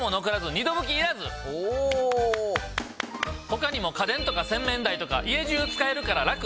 他にも家電とか洗面台とか家じゅう使えるからラク！